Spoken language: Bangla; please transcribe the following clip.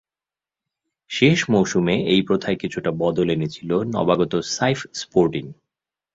শেষ মৌসুমে এই প্রথায় কিছুটা বদল এনেছিল নবাগত সাইফ স্পোর্টিং।